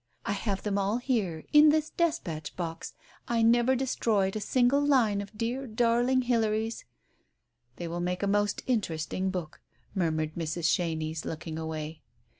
I have them all here, in this despatch box, I never destroyed a single line of dear darling Hilary's " "They will make a most interesting book !" mur mured Mrs. Chenies, looking away.